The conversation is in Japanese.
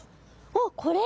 おっこれ？